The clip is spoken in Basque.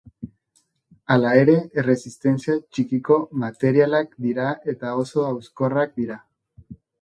Hala ere, erresistentzia txikiko materialak dira eta oso hauskorrak dira.